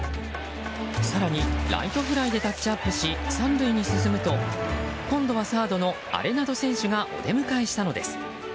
更にライトフライでタッチアップし、３塁へ進むと今度はサードのアレナド選手がお出迎えしたのです。